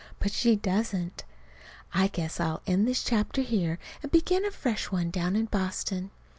But she doesn't. I guess I'll end this chapter here and begin a fresh one down in Boston.